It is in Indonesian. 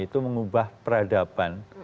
itu mengubah peradaban